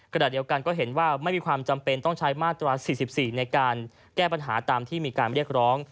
ขณะเดียวกันก็เห็นว่าไม่มีความจำเป็นต้องใช้มาตรา๔๔ในการแก้ปัญหาตามที่มีการเรียกร้อง